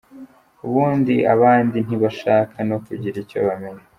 Ubundi abandi ntibashaka no kugira icyo bamenya.